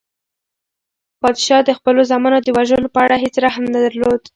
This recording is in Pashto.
پادشاه د خپلو زامنو د وژلو په اړه هیڅ رحم نه درلود.